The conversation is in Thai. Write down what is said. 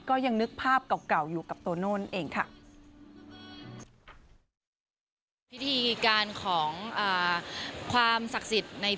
ก็ยังนึกภาพเก่าอยู่กับตัวโน่นเองค่ะ